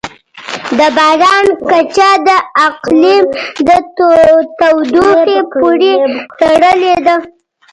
د باران کچه د اقلیم د تودوخې پورې تړلې ده.